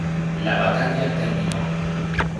La batalla terminó.